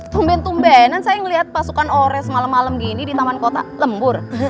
tumben tumbenan saya ngeliat pasukan ores malem malem gini di taman kota lembur